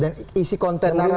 dan isi konten narasinya